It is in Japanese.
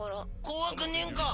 怖くねえんか？